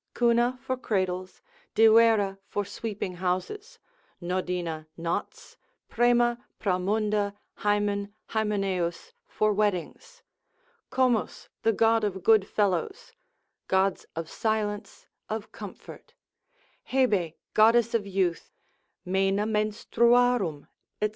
Cuna for cradles, Diverra for sweeping houses, Nodina knots, Prema, Pramunda, Hymen, Hymeneus, for weddings; Comus the god of good fellows, gods of silence, of comfort, Hebe goddess of youth, Mena menstruarum, &c.